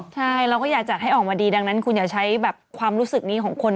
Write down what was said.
ใช่เราก็อยากจัดให้ออกมาดีดังนั้นคุณอย่าใช้แบบความรู้สึกนี้ของคน